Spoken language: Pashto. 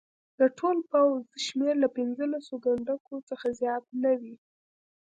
د ټول پوځ شمېر له پنځه لسو کنډکو څخه زیات نه وي.